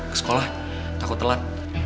ke sekolah takut telat